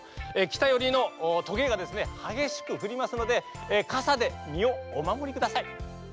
きたよりのとげがですねはげしくふりますのでかさでみをおまもりください。